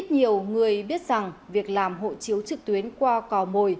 nhiều người biết rằng việc làm hộ chiếu trực tuyến qua cò mồi